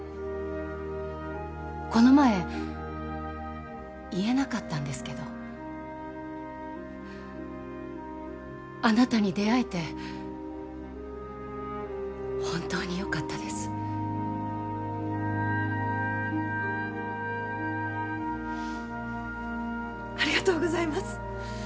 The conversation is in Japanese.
この前言えなかったんですけどあなたに出会えて本当によかったですありがとうございます